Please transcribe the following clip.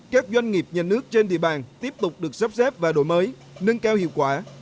các doanh nghiệp nhà nước trên địa bàn tiếp tục được sắp xếp và đổi mới nâng cao hiệu quả